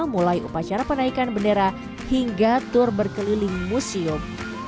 mulai upacara penaikan bendera hingga tur berkeliling museum